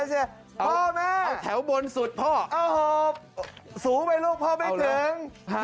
ถอยแถวบนสุดพ่อสูงไปลูกพ่อไม่เกิง